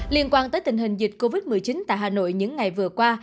liên quan tới tình hình dịch covid một mươi chín tại hà nội những ngày vừa qua